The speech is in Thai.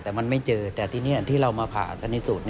แต่มันไม่เจอแต่ทีนี้ที่เรามาผ่าสนิสูตร